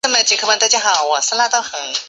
也因黄河在咸丰五年的大改道而衰败。